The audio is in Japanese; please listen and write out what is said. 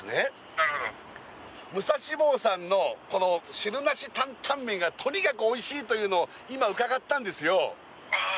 ☎なるほど武蔵坊さんのこの汁なし担担麺がとにかくおいしいというのを今伺ったんですよ